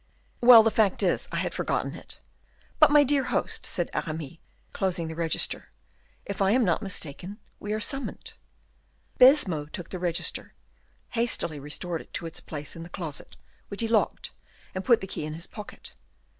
"Well, the fact is, I had forgotten it. But, my dear host," said Aramis, closing the register, "if I am not mistaken, we are summoned." Baisemeaux took the register, hastily restored it to its place in the closet, which he locked, and put the key in his pocket.